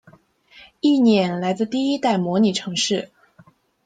意念来自第一代模拟城市。